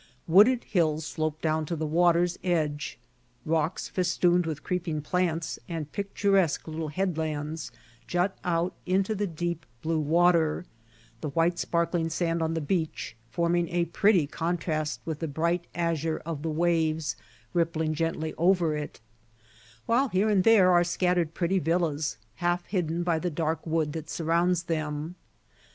Wooded hills slope down to the water's edge; rocks festooned with creeping plants, and picturesque little headlands, jut out into the deep blue water, the white sparkling sand on the beach forming a pretty contrast with the bright azure of the waves rippling gently over it; while here and there are scattered pretty villas, half hidden by the dark wood that surrounds them.